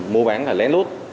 mua bán là lén lút